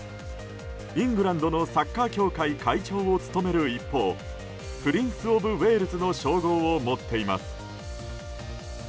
イングランドのサッカー協会会長を務める一方プリンス・オブ・ウェールズの称号を持っています。